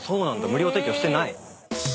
無料提供してない。